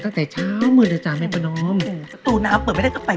ตั้งแต่เช้ามืดเลยจ้ะแม่ประนอมประตูน้ำเปิดไม่ได้ก็ไป